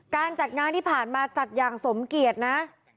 การจัดงานที่ผ่านมาจัดอย่างสมเกียจนะ